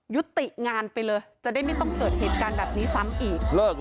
ยุติงานไปเลยจะได้ไม่ต้องเกิดเหตุการณ์แบบนี้ซ้ำอีก